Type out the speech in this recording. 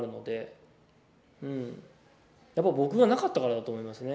やっぱ僕がなかったからだと思いますね。